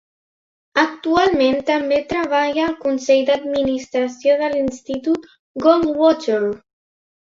Actualment també treballa al consell d'administració de l'Institut Goldwater.